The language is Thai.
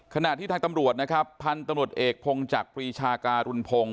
ขณะที่ทางตำรวจนะครับพันธุ์ตำรวจเอกพงจักรปรีชาการุณพงศ์